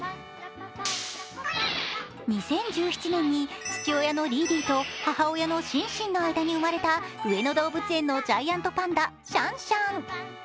２０１７年に父親のリーリーと母親のシンシンの間に生まれた上野動物園のジャイアントパンダシャンシャン。